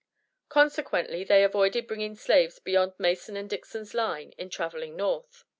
Consequently they avoided bringing slaves beyond Mason and Dixon's Line in traveling North.